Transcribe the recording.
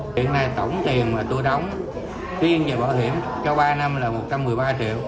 hiện nay tổng tiền mà tôi đóng tuy nhiên giờ bảo hiểm cho ba năm là một trăm một mươi ba triệu